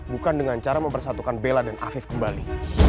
bukan dengan cara mempersatukan bella dan afif kembali